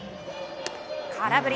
空振り。